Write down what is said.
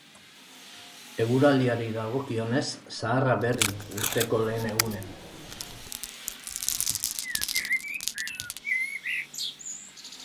Eguraldiari dagokionez, zaharrak berri urteko lehen egunean.